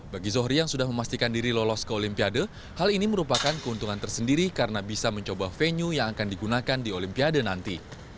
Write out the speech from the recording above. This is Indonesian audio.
bagi zohri yang sudah memastikan diri lolos ke olimpiade hal ini merupakan keuntungan tersendiri karena bisa mencoba venue yang akan digunakan di olimpiade nanti